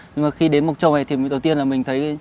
nhưng mà khi đến một chỗ này thì đầu tiên là mình thấy